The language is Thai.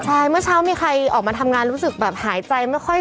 ใช่เมื่อเช้ามีใครออกมาทำงานรู้สึกแบบหายใจไม่ค่อย